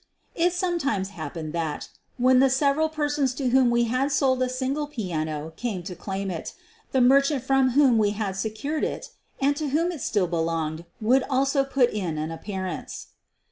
It sometimes happened that, when the several persons to whom we had sold a single piano came to claim it, the merchant from whom we had secured it and to whom it still belonged would also put in an appearance.